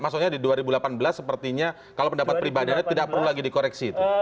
maksudnya di dua ribu delapan belas sepertinya kalau pendapat pribadinya tidak perlu lagi dikoreksi itu